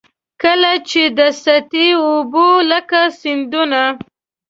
کله چي د سطحي اوبو لکه سیندونه.